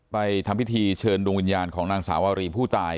ทำพิธีเชิญดวงวิญญาณของนางสาวารีผู้ตาย